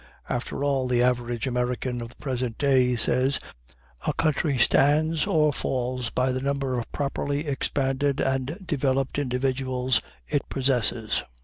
After all, the average American of the present day says, a country stands or falls by the number of properly expanded and developed individuals it possesses.